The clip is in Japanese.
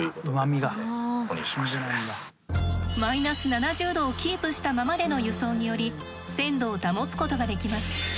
−７０℃をキープしたままでの輸送により鮮度を保つことができます。